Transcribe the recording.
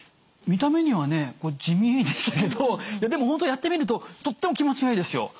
見た目にはね地味ですけどでも本当やってみるととっても気持ちがいいですよ。